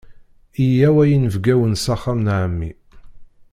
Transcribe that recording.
Yyaw a yinebgawen s axxam n ɛemmi!